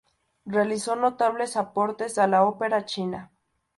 Realizó notables aportes a la ópera china.